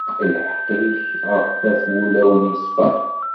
Lḥeqq-ik ɣef wat wulawen yeṣfan.